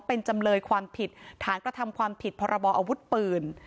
เป็นจำเลยความผิดฐานกระทำความผิดพรบออาวุธปืน